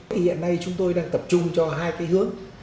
thì hiện nay chúng tôi đang tập trung cho hai cái hướng